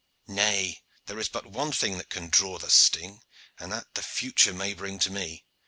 "Nay, there is but one thing that can draw the sting, and that the future may bring to me.